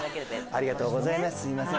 ありがとうございます。